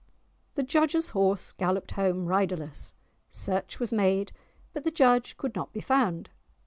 The judge's horse galloped home, riderless. Search was made, but the judge could not be found.